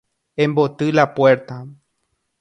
Emboty la puerta.